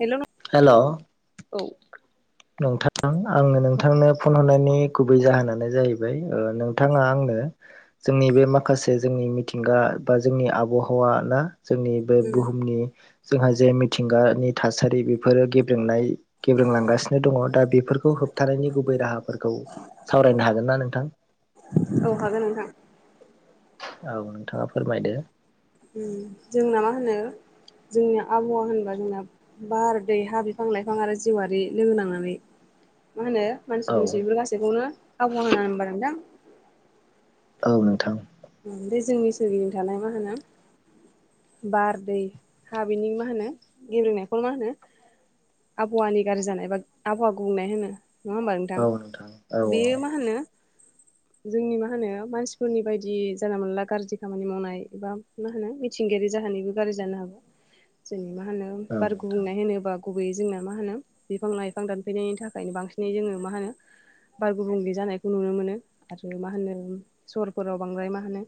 Hello hello औ नोंथां आंनो नोंथांनो फन हरनायनि गुबै जाहोनानो जाहैबाय ओ- नोंथाङा आंनो जोंनि बे माखासे जोंनि मिथिंगा बा जोंनि आबहावा ना जोंनि बे बुहुमनि जोंहा जे मिथिंगानि थासारि बेफोरो गेब्रेंनाय केबांगास दङ दा बेफोरखौ होबथानायनि गुबै राहाफोरखौ सावरायनो हागोन ना नोंथां औखागोन नोंहा औ नोंथाङा फोरमायदो जोंना मा होनो जोंनि आबहावा होनबा जोंना बार दै हा बिफां लाइफां आरो जेवआरारि लोगो नांनानै [inaudible] मा होनो मानसि औ दुमसि बेफोर गासैखौनो आबहाव होनाबदां औ नोंथां बे जोंनि सोरगिजों थानाय मा होनो बारदै हा बिनि मा होनो गेलेनायखौ मा होनो आबहावानि गाज्रि जानाय बा आबहावा गुबनाय होनो नङा होमबा नोंथां औ औ बेयो मा होनो जोंनि मा होनो मानसिफोरनि बायदि जि जानला मोनला गाज्रि खामानि मावनाय एबा मा होनो मिथिंगायारि जाहानायबो गाज्रि जानो हागौ जोंनि मा होनो औ बार नोंथां गुबुंनाय होनोबा गुबैयै जोंना मा होनो बिफां लाइफां दानफैनायनि थाखायनो बांसिनै जोङो मा होनो बार गुबुंले जानायखौ नुनो मोनो आरो मा होनो सहरफोराव बांद्राय मा होनो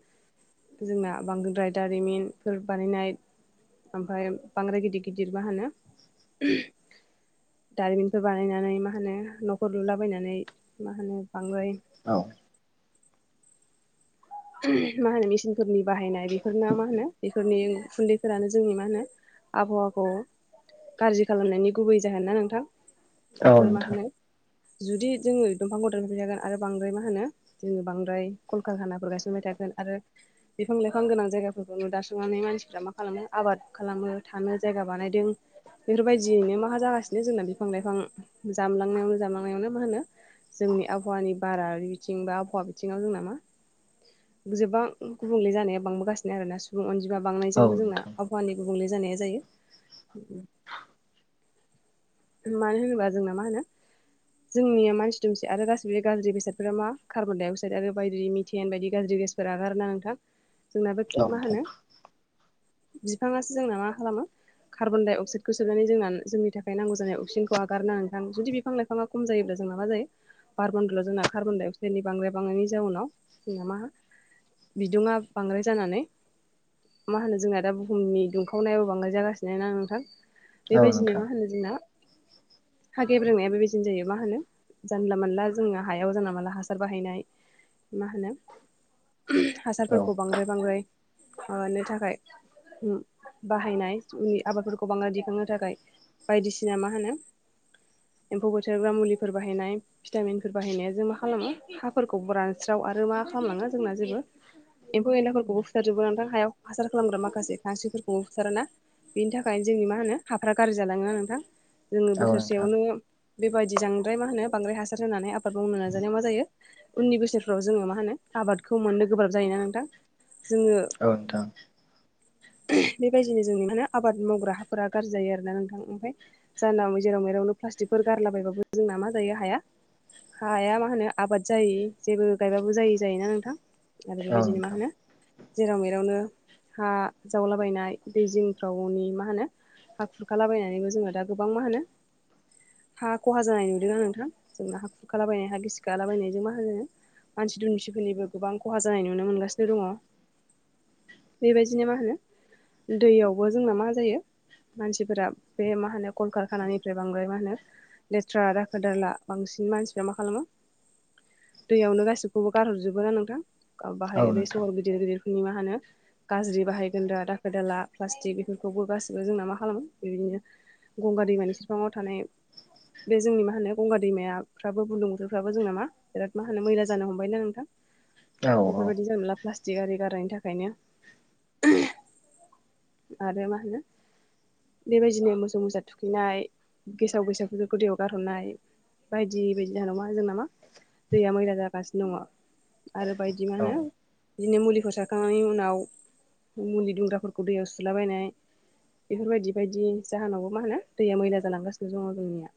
जोंना बांदोद्राय दारिमिनफोर बानायनाय ओमफ्राय बांद्राय गिदिर गिदिर मा होनो दारिमिनफोर बानायनानै मा होनो न'खर लुलाबायनानै मा होनो बांगाय औ मा होनो मेसिनफोरनि बाहायनाय बेफोरना मा होनो बेफोरनि खुन्दैफोरानो जोंनि मा होनो आबहावाखौ गाज्रि खालामनायनि गुबै जाहोन ना नोंथां औ बेफोर मा नोंथां होनो जुदि जोङो दंफांखौदानफैजागोन आरो बांद्राय मा होनो जोङो बांद्राय कलकार खानाफोर गासिनो बाय थागोन आरो बिफां लाइफां गोनां जायगाफोरखौ नुदासांनानै मानसिफ्रा मा खालामो आबाद खालामो थानो जायगा बानायदों बेफोरबायदियैनो मा जागासिनो जोंना बिफां लाइफां जामलांनायावनो जामलांनायावनो मा होनो जोंनि आबहावानि बार बिथिं बा आबहावा बिथिङाव जों नामा गोबां गुबुंले जानाया बांबोगासिनो आरोना सुबुं अनजिमा औ नोंथां औ बांनायजोंबो जोंना नोंथां आबहावानि गुब गुबुंले जानाया जायो मानो होनोबा जोंना मा होनो जोंनिया मानसि दुमसे आरो गासिबो गाज्रि बेसादफोरा मा कार्बन डाइ अक्साइड आरो बायदि मिथेन बायदि गाज्रि फोरा गारनां नोंथां जोंनाबो मा होनो बिफाङासो जोंना मा खालामो कार्बन दडाइ अक्साइदखौ सोबनानै जोंना जोंनि थाखाय नांग गौ जानाय अक्सिजेनखौ आगारना नोंथां जुदि बिफां लाइफाङा खम जायोब्ला जों मा जायो बारमनदलाव जोंना कार्बन डाइ अक्साइडनि बांराय बांनायनि जाउनाव जोंना मा बिदुङा बांद्राय जानानै। मा होनो जोंनिया दा बुहुमनि दुंखावनायाव बांद्राय जागासिनो ना नोंथां। औ बेबायदिनो नोंथां मा होनो जोंना। [unintelligible] हा गेब्रोंनायाबो बिदिनो जायो मा होनो जानला मोनला जोङो हायाव जानला मानला हासार बाहायनाय। मा होनो औ हासारफोरखौ बांद्राय बांद्राय माबानो थाखाय बाहायनाय जोंनि आबादफोरखौ बांद्राय दिखांनो थाखाय बायदिस सिना मा होनो एम्फौ बोथोरग्रा मुलिफोर बाहायनाय भिटामिनफोर बाहायनाया जों मा खालामो हाफोरखौ रानस्राव आरो मा खालामलाङो जोंना जेबो एम्फौ एन्लाफोरखौबो फुथारजोबो नोंथां हायाव हासार खालामग्रा माखासे खांस्रिफोरखौबो फुथारोना। बिनि थाखायनो जोंनि मा होनो हाफ्रा गाज्रि जालाङो नोंथां। जोङो औ नोंथां बोसोरसेयावनो बेबायदि जांद्राय मा होनो बांद्राय हासार होनानै आबाद मावनो नाजानायाव मा जायो उननि बोसोरफ्राव जोङो मा होनो आबादखौ मोननो गोब्राब जायोना नोंथां। जोङो औ नोंथां। बेबायदिनो जोंनि माहनो आबाद मावग्रा हाफोरा गाज्रि जायो आरोना नोंथां ओमफाय जानाव जेराव मेरावनो प्लास्टिकफोर गारलाबायबाबो जोंना मा जायो हाया। हाया मा होनो आबाद जायै जेबो गायबाबो जायै जायोना नोंथां आरो औ बेबायदिनो मा नोंथां होनो। जेराव मेरावनो हा जावलाबायनाय दै जिंफ्रावनि मा होनो हा खुरखालाबायनानैबो जोङो दा गोबां मा होनो हा खहा जानाय नुदों आ नोंथां जोंना हा खुरखालाबायनाय हा गिसिखालाबायनाय जों मा होनो। मानसि दुमसिफोरनिबो गोबां खहा जानाय नुनो मोनगासिनो दङ। बेबायदिनो मा होनो दैयावबो जोंना मा जायो मानसिफोरा बे मा होनो कलकारखानानिफ्राय बांद्राय मा होनो लेथ्रा दाखोदारला बांसिन मानसिफ्रा मा खालामो दैयावनो गासिखौबो गारहरजोबोना नोंथां बाहाय औ बे नोंथां सहर गिदिर गिदिर नि मा होनो गाज्रि बाहायगोनदा दाखोर दाला प्लास्टिक बेफोरखौबो गासिबो जोंना मा खालामो बेबायदिनो गंगा दैमानि सेरफाङाव थानाय बे जोंनि मा होनो गंगा दैमायाफ्राबो बुरलुंबुथुरफ्राबो जों नामा बिराद मा होनो मैला जानो हमबायना नोंथां। औ औ बेफोरबायदि जानला मोनला प्लास्टिक आरि गारनायनि थाखायनो। आरो मा होनो बेबायदिनो मोसौ मोसा थुखैनाय गेसाव गेसावफोरखौ दैयाव गारहरनाय बायदि बायदि जानाय नङा जों नामा दैया मैला जागासिनो दङ। आरो बायदि मा औ होनो बिदिनो मुलिखौ सारखांनायनि उनाव मुलि दुंग्राफोरखौ दैयाव सुलाबायनाय बेफोरबायदि बायदि जाहोनावबो मा होनो दैया मैला जालांगासिनो दङ जोंनिया।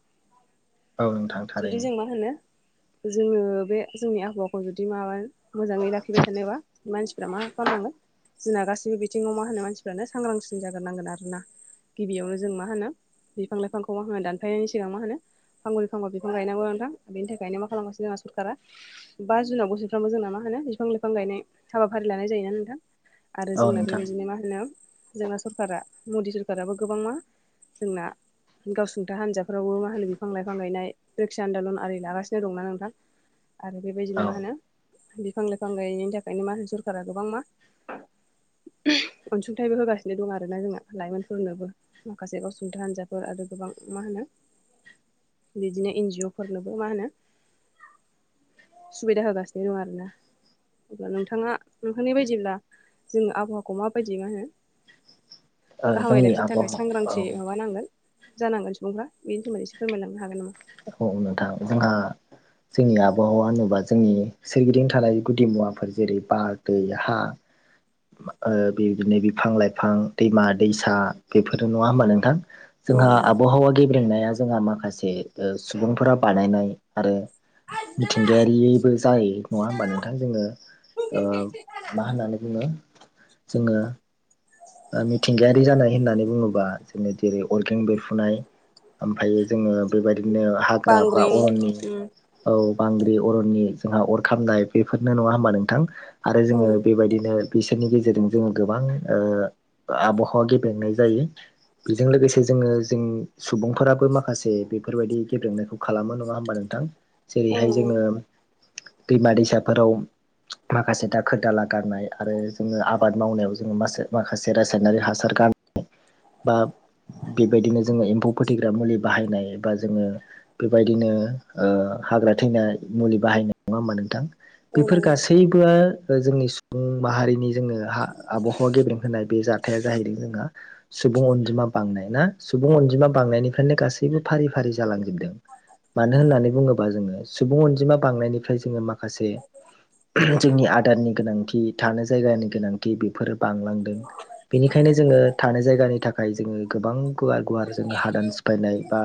औ जुदि नोंथांथारैनो। जों मा होनो जोङो बे जोंनि आबहावाखौ जुदि माबा मोजाङै लाखिबाय थानोबा मानसिफ्रा मा खालामनांगोन जोंना गासैबो बिथिङाव मा होनो मानसिफ्रानो सांग्रांसिन जाग्रोनांगोन आरोना गिबियावनो जों मा होनो बिफां लाइफांखौ आङो दानफायनायनि सिगां मा होनो फांब्रै फांबा बिफां गायनांगौ नोंथां बेनि थाखायनो मा खालामगासिनो जोंहा सरकारा बा जुनाव बोसोरफ्रोमबो जोंना मा होनो नो बिफां लाइफां गायनाय हाबाफारि लानाय जायोना नोंथां। आरो औ जोंना नोंथां बेबायदिनो मा होनो जोंना सरकारा मदि सरखाराबो गोबां मा जोंना गावसुंथा हान्जाफ्रावबो मा होनो बिफां लाइफां गायनाय रैक्षसा आनन्दलन आरि लागासिनो दंना नोंथां आरो बेबायदिनो औ मा होनो बिफां लाइफां गायिनि थाखायनो मा होन सोरखारा गोबां मा अनसुंथाइबो होगासिनो दं आरो ना जोंना लाइमोनफोरनोबो माखासे गाव सुंथा हान्जाफोर आरो गोबां मा होनो बिदिनो एन जिअ फोरनोबो मा होनो सुबिदा होगासिनो दं आरोना अब्ला नोंथाङा नोंहोनाय बायदिब्ला जोंनि आबहावाखौ माबायदि मा होनो ओ गाहामै जोंनि लाखिनो थाखाय आबहावा औ सांग्रांथि माबानांगोन जानांगोन सुबुंफ्रा बेनि सोमोन्दै एसे फोरमायलांनो हागोन नामा औ नोंथां जोंहा जोंनि आबहावा होनोबा जोंनि सोरगिदिं थानाय गुदि मुवाफोर जेरै बार दै हा ओ बेबायदिनो बिफां-लाइफां दैमा दैसा बेफोर नङा होमबा नोंथां औ जोंहा नंगौ आबहावा गेब्रेंनाया जोंहा माखासे सुबुंफोरा बानायनाय आरो मिथिंगायारिबो जायो नङा होमबा नोंथां जोङो ओ मा होननानै बुङो जोङो ओ मिथिंगायारि जानाय होननानै फुनाय ओमफायायो जोङो बेबायदिनो हाग्रा बा बांग्रिं अरननि औ बांग्रि अरननि जोंहा अर खामनाय बेफोरनो नङा होमबा नोंथां आरो औ जोङो बेबायदिनो बिसोरनि गेजेरजों जोङो गोबां आबहावा गेबेंनाय जायो। बेजों लोगोसे जोङो जों सुबुंफोराबो माखासे बेफोरबायदि गेब्रेंनायखौ खालामो नङा होमबा नों थां औ जेरैहाय जोङो दैमा दैसाफोराव माखासे दाखोर दाला गारनाय आरो जोङो आबाद मावनायाव जोङो मासे माखासे से रासायनारि हासार गारनो बा बेबायदिनो जोङो एम्फौ फोथैग्रा मुलि बाहायनाय बा जोङो बेबायदिनो हाग्रा थैनाय मुलि बाहायनाय नङा होमा नोंथां औ बेफोर गासैबो जोंनि सुबुं माहारिनि जोङो हा आबहावा गेब्रें होनाय बे जाथाया जाहैदों जोंहा सुबुं अनजिमा बांनाय ना सुबुं अनजिमा बांनायनिफ्रायनो गासैबो फारि फारि जालाङो मानो होननानै बुङोबा जोङो सुबुं अनजिमा बांनायनिफ्राय जोङो मा खासे जोंनि आदारनि गोनांथि थानो जायगानि गोनांथि बेफोर बांलांदों बेनिखायनो जोङो थानाय जायगानि थाखाय जोङो गोबां गुवार गुवार जों हादान नंगौ सिफायनाय बा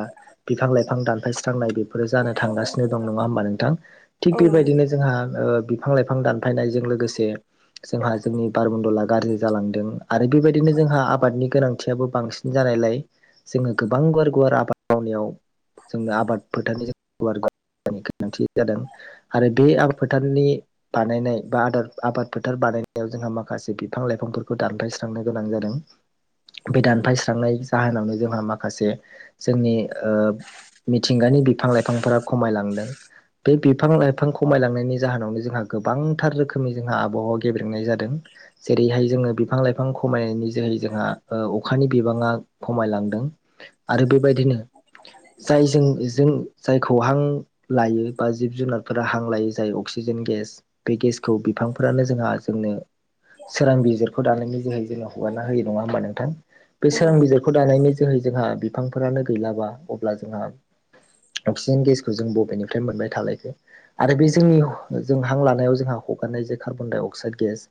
बिफां लाइफां दानफायस्रांनाय बे फोरो जानो थांगासिनो दं नङा होमबा नोंथां थिग औ नंगौ बेबायदिनो जोंहा ओ बिफां-लाइफां दानफायनायजों लोगोसे जोंहा जोंनि बारमन्दला गाज्रि जालांदों आरो बेबायदिनो जोंहा आबादनि गोनांथियाबो बांसिन जानायलाय जोङो गोबां गुवार गुवार आबाद मावनायाव जोंनो आबाद फोथारनि जों हवारगोन गोनांथि जादों आरो बे आ फोथारनि बानायनाय बा आबाद फोथार बानायनाय जोंहा माखासे बिफां-लाइफांफोरखौ दानफायस्रांनो गोनां जादों बे दानफायस्रांनाय जाहोनावनो जोंहा माखासे जोंनि ओ मिथिंगानि बिफां लाइफांफोरा खमायलांदों बे बिफां लाइफां खमायलांनायनि जाहोनावनो जोंहा गोबांथार रोखोमनि जोंहा आबहावा गेब्रेंनाय जादों जेरैहाय जोङो बिफां लाइफां खमायनायनि जोहै जोंहा ओ अखानि बिबाङा खमायलांदों आरो बेबायदिनो जायजों जों जायखौ हां लायो बा जिब जुनारफोरा हां लायो जाय अक सिजेन गेस बे गेसखौ बिफांफोरानो जोंहा जोंनो सोरां बिजिरख' दानायनि जोहै जोङो हगारना होयो नङा होमबा नोंथां बे औ सोरां बिजिरख' दानायनि जोहै जोंहा बिफांफोरानो गैलाबा अब्ला जोंहा अक्सिजेन गेसखौ जों बबेनिफ्राय मोनबाय थालायखो आरो बे जोंनि जों हां लानायाव जोंहा हगारनाय जे कार्बन डाइ अक्साइड गेस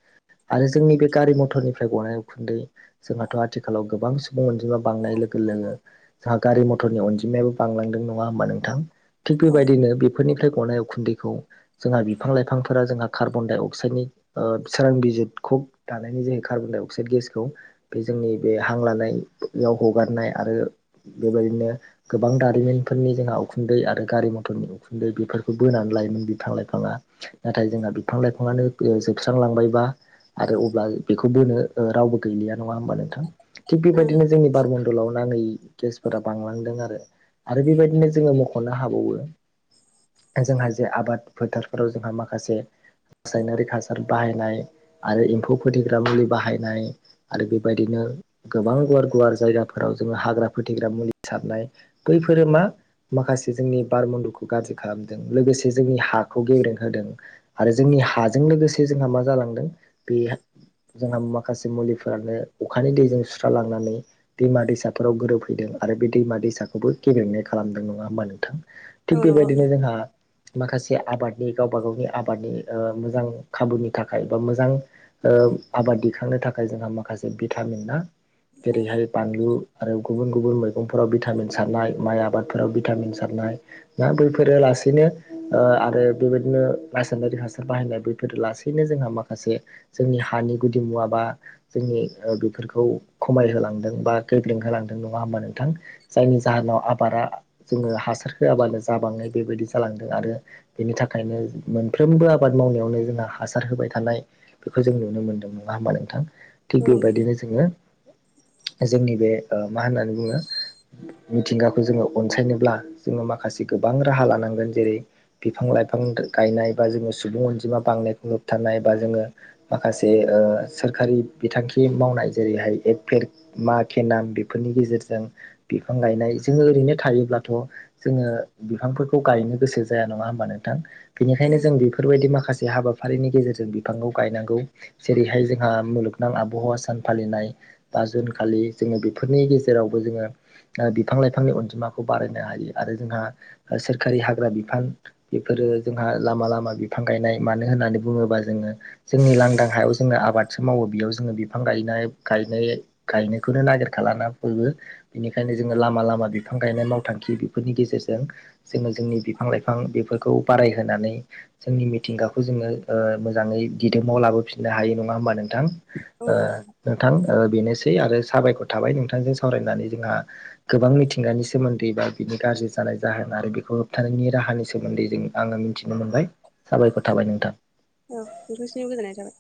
आरो जोंनि बे गारि मथरनिफ्राय गनाय उखुन्दै जोंहाथ' आथिखालाव गोबां सुबुं अनजिमा बांनाय लोगो लोगो जोंहा गारि मथरनि अनजिमायाबो बांलांदों नङा होमबा नोंथां थिग औ बेबायदिनो बेफोरनिफ्राय गनाय उखुन्दैखौ जोंहा बिफां लाइफांफोरा जोंहा कार्बन डाइ अक्साइदनि ओ सोरां बिजिरख' दानायनि जे कार्बन डाइ अक्साइद गेसखौ बे जोंनि बे हां लानायाव हगारनाय आरो बेबायदिनो गोबां दारिमिन फोरनि जोंहा उखुन्दै आरो गारि मथरनि उखुन्दै बेफोरखौ बोनानै लायोमोन बिफां लाइफाङा नाथाय जोंना बिफां लाइफाङानो जोबस्रांलांबायबा आरो अब्ला बेखौ बोनो रावबो गैलिया नङा होमबा नोंथां थिग बेबायदिनो जोंनि बारमण्डलाव नाङै गेसफोरा बांलांदों आरो आरो बेबायदिनो जोङो मख'नो हाबावो जोंहा जे आबाद फोथारफोराव जोंहा माखासे रासायनारि हासार बाहायनाय आरो एम्फौ फोथैग्रा मुलि बाहायनाय आरो बेबायदिनो गोबां गुवार गुवार जायगाफोराव जोङो हाग्रा फोथैग्रा मुलि सारनाय बै फोरो मा माखासे जोंनि बारमण्डलखौ गाज्रि खालामदों लोगोसे जोंनि हाखौ गेब्रेंहोदों आरो जोंनि हाजों लोगोसे जोंहा मा जालांदों बे जोंहा माखासे मुलि फोरानो अखानि दैजों सुस्रालांनानै दैमा दैसाफोराव गोरोबहैदों आरो बे दैमा दैसाखौबो गेब्रेंनाय खालामदों नङा होमबा नोंथां औ थिग नंगौ नोंथां बेबायदिनो जोंहा माखासे आबादनि गावबा गावनि आबादनि ओ मोजां खाबुनि थाखाय बा मोजां ओ आबाद दैखांनो थाखाय जोंहा माखासे भिटामिन ना जेरैहाय बानलु आरो गुबुन गुबुन मैगंफोराव भिटामिन सारनाय माइ आबादफोराव भिटामिन सारनाय नाय ना बैफोरो लासैनो ओ आरो बेबायदिनो रासायनारि हासार बाहायनाय बैफोर लासैनो जोंहा माखासे जोंनि हानि गुदिमुवा बा जोंनि बेफोरखौ खमायहोलांदों बा गेब्रेंहोलांदों नङा होमबा नोंथां जायनि जाहो नाव आबारा जोङो हासार होआबानो जाबाङै बेबायदि जालांदों आरो बेनि थाखायनो मोनफ्रोमबो आबाद मावनायावनो जोंना हासार होबायथानाय बेखौ जों नुनो मोनदों नङा होमबा नोंथां थिग औ नंगौ बेबायदिनो जोङो जोंनि बे ओ मा होननानै बुङो मिथिंगाखौ जोङो अनसायनोब्ला जोङो माखासेखौ गोबां राहा लानांगोन जेरै फिफां लाइफां गायनाय बा जोङो सुबुं अनजिमा बांनायखौ होबथानाय एबा जोङो माखासे ओ सोरखारि बिथांखि मावनाय जेरैहाय एक पेर मा के नाम बेफोरनि गेजेरजों बिफां गायनाय जोङो ओरैनो थायोब्लाथ' जोङो बिफांफोरखौ गायनो गोसो जाया नङा होमबा नोंथां बेनिखायनो जों बेफोरबायदि माखासे हाबाफारिनि गेजेरजों बिफांखौ गायनांगौ जेरैहाय जोंहा मुलुग नां आबहावा सान फालिनाय बा जुन खालि जोङो बेफोरनि गेजेरावबो जोङो ओ बिफां लाइफांनि अनजिमाखौ बारायनो हायो आरो जोंहा सोरखारि हाग्रा बिफान बेफोरो जोंहा लामा लामा बिफां गायनाय मानो होननानै बुङोबा जोङो जोंनि लांदां हायाव जोङो आबादसो मावो बेयाव जोङो बिफां गायनाय गायनाय गायनायखौनो नागिरखाला ना बयबो बेनिखायनो जोङो लामा ला मा बिफां गायनाय मावथांखि बेफोरनि गेजेरजों जोङो जोंनि बिफां लाइफां बेफोरखौ बारायहोनानै जोंनि मिथिंगाखौ जोङो ओ मोजाङै दिदोमाव लाबोफिननो हायो नङा होमबा नोंथां औ ओ नंगौ नोंथां ओ बेनोसै आरो साबायखर थाबाय नोंथांजों सावरायनानै जोंहा गोबां मिथिंगानि सोमोन्दै बा बि नि गाज्रि जानाय जाहोन आरो बेखौ होबथानायनि राहानि सोमोन्दै जों आङो मिथिनो मोनबाय साबायखर थाबाय नोंथां औ नोंथांनिसिमबो गोजोननाय थाबाय